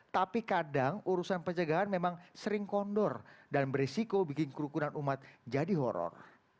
tapi kadang urusan pencegahan memang sering kondor dan beresiko bikin kerukunan umat jadi horror